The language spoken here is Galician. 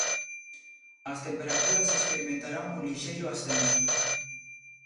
As temperaturas experimentarán un lixeiro ascenso.